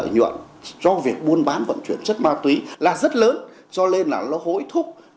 nguyện do việc buôn bán vận chuyển chất ma túy là rất lớn cho nên là nó hối thúc